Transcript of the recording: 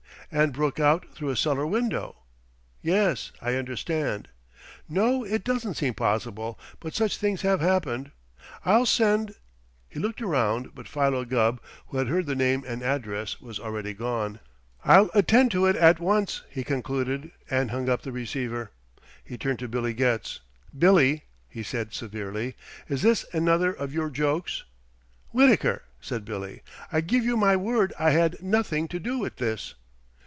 And broke out through a cellar window. Yes, I understand. No, it doesn't seem possible, but such things have happened. I'll send " He looked around, but Philo Gubb, who had heard the name and address, was already gone. "I'll attend to it at once," he concluded, and hung up the receiver. He turned to Billy Getz. "Billy," he said severely, "is this another of your jokes?" "Wittaker," said Billy, "I give you my word I had nothing to do with this."